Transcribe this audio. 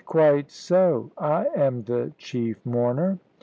"Quite so. I am the chief mourner."